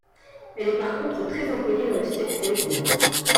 Elle est par contre très employée dans le sexe lesbien.